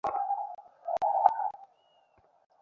এখানে মন্দ কী হচ্ছে তোমার?